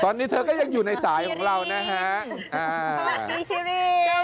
ตอนนี้เธอก็ยังอยู่ในสายของเรานะฮะอ่าสวัสดีเชอรี่